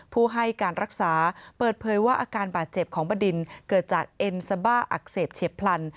ผู้ให้การรักษาเปิดเผยว่าอาการบาดเจ็บของบดินเกิดจากเอ็นซาบ้าอักเสบเฉียบพลัน